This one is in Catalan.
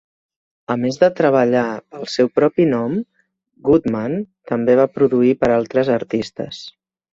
A més de treballar pel seu propi nom, Goodman també va produir per a altres artistes.